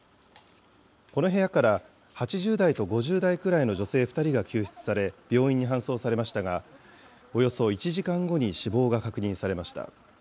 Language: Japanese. この部屋から８０代と５０代くらいの女性２人が救出され病院に搬送されましたが、およそ１時間後に死亡が確認されました。